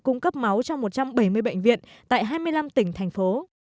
cung cấp máu cho một trăm bảy mươi bệnh viện tại hai mươi năm tỉnh thành phố